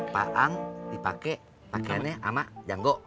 paang dipakai pakaiannya sama janggo